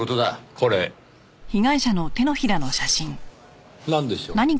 これなんでしょう？